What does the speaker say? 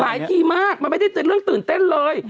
หลายทีมากมันไม่ได้เรื่องตื่นเต้นเลย